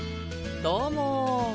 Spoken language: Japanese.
どうも。